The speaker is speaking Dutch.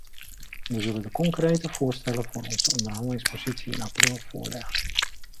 We zullen de concrete voorstellen voor onze onderhandelingspositie in april voorleggen.